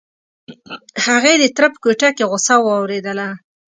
هغې د تره په کوټه کې غوسه واورېدله.